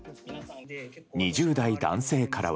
２０代男性からは。